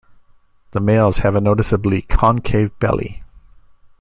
The males have a noticeably concave belly.